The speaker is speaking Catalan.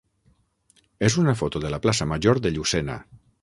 és una foto de la plaça major de Llucena.